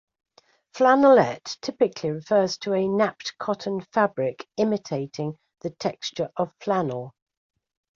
Flannelette typically refers to a napped cotton fabric imitating the texture of flannel.